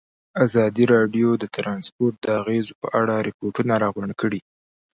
ازادي راډیو د ترانسپورټ د اغېزو په اړه ریپوټونه راغونډ کړي.